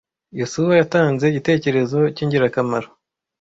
Yosuwa yatanze igitekerezo cyingirakamaro.